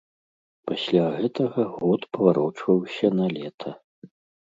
Пасля гэтага год паварочваўся на лета.